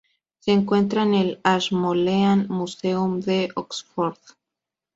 Se encuentra en el Ashmolean Museum de Oxford.